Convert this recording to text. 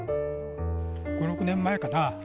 ５、６年前かな。